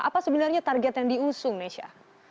apa sebenarnya target yang diusung nesha